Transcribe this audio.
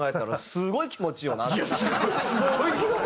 すごい。